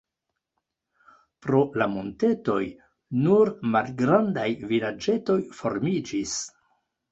Pro la montetoj nur malgrandaj vilaĝetoj formiĝis.